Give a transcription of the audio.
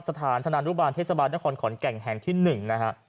สถานธนรุบรรณเทศบาลคอร์นขอนแก่งแห่งที่๑นะครับ